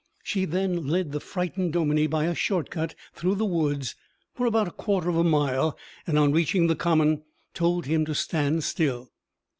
She then led the frightened dominie by a short cut through the woods for about a quarter of a mile, and on reaching the common told him to stand still.